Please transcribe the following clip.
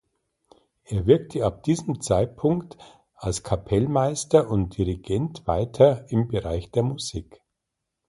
Er wirkte ab diesem Zeitpunkt als Kapellmeister und Dirigent weiter im Bereich der Musik.